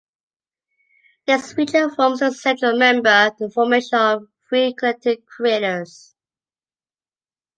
This feature forms the central member of a formation of three connected craters.